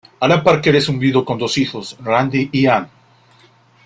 Alan Parker es un viudo con dos hijos, Randy y Ann.